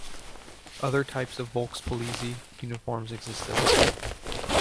Other types of Volkspolizei uniforms existed.